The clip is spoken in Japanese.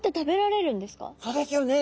そうですよね